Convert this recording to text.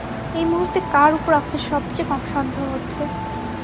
এই মুহূর্তে কার ওপর আপনার সবচেয়ে কম সন্দেহ হচ্ছে?